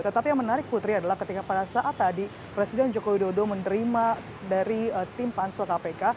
tetapi yang menarik putri adalah ketika pada saat tadi presiden joko widodo menerima dari tim pansel kpk